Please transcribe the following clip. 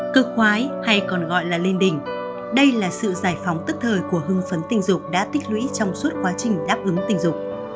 cực khoái hay còn gọi là lên đỉnh đây là sự giải phóng tức thời của hưng phấn tình dục đã tích lũy trong suốt quá trình đáp ứng tình dục